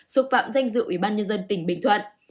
xúc phạm danh dự ủy ban nhân dân tỉnh bình thuận